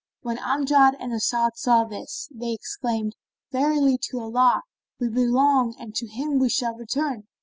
When Amjad and As'ad saw this, they exclaimed, "Verily to Allah we belong and to Him we shall return!